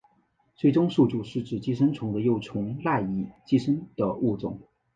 最终宿主是指寄生物的成虫赖以寄生的物种。